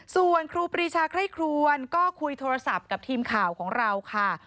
ส่วนครูปรีชาไคร่ครวนก็คุยโทรศัพท์กับทีมข่าวของเราค่ะ